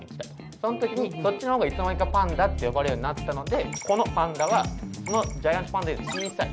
その時にそっちのほうがいつの間にかパンダって呼ばれるようになったのでこのパンダはそのジャイアントパンダより小さい。